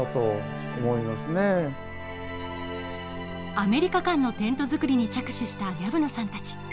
アメリカ館のテント作りに着手した薮野さんたち。